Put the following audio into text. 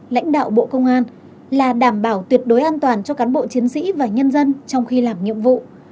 lãnh đạo bộ công an là đảm bảo tuyệt đối an toàn cho cán bộ chiến sĩ và nhân dân trong khi làm nhiệm vụ